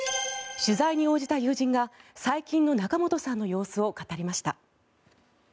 取材に応じた友人が最近の仲本さんの様子を語りました。